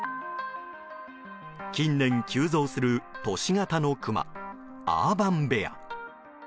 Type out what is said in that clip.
近年急増する都市型のクマアーバンベア。